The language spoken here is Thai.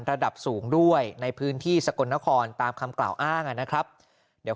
ระดับสูงด้วยในพื้นที่สกลนครตามคำกล่าวอ้างนะครับเดี๋ยว